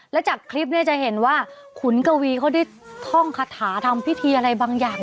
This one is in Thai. แล้วจากคลิปเนี่ยจะเห็นว่าขุนกวีเขาได้ท่องคาถาทำพิธีอะไรบางอย่าง